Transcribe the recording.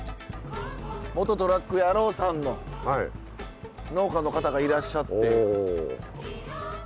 元トラック野郎さんの農家の方がいらっしゃって。